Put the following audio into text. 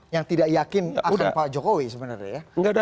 yang tidak yakin akan pak jokowi sebenarnya ya